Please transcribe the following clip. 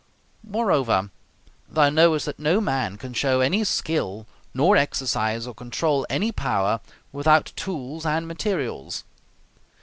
Moreover, thou knowest that no man can show any skill nor exercise or control any power, without tools and materials.